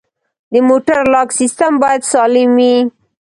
د موټر لاک سیستم باید سالم وي.